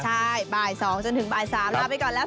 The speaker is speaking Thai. ใช่บ่าย๒จนถึงบ่าย๓ลาไปก่อนแล้ว